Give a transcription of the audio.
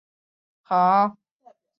钟复与同乡刘球交好。